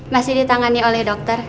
masih ditangani oleh dokter